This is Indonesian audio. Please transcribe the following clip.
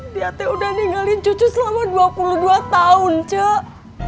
dia teh udah ninggalin cucu selama dua puluh dua tahun cak